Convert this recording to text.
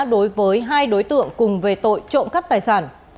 đối với hai đối tượng cùng về tội phạm